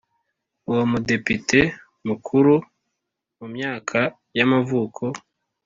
Uwo Mudepite mukuru mu myaka y ‘amavuko